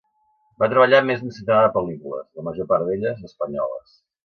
Va treballar en més d'un centenar de pel·lícules, la major part d'elles espanyoles.